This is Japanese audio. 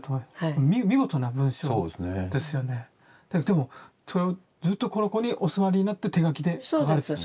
でもそれをずっとここにお座りになって手書きで書かれて。